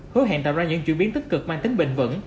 hứa hẹn tạo ra những chuyển biến tích cực mang tính bình vững